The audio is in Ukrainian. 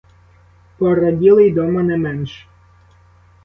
Пораділи й дома не менш.